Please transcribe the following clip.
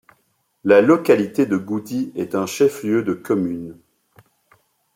La localité de Goudi est un chef-lieu de commune.